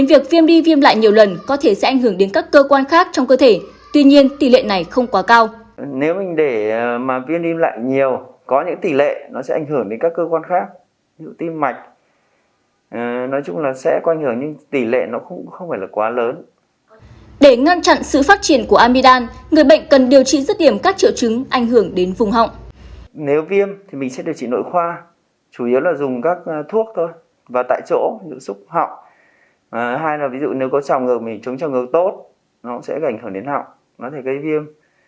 nếu súc họng hay là ví dụ nếu có tròng ngược thì chống tròng ngược tốt nó sẽ ảnh hưởng đến họng nó sẽ gây viêm